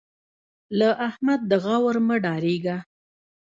له احمد د غور مه ډارېږه.